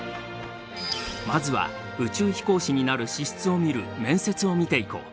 まずは宇宙飛行士になる資質を見る面接を見ていこう。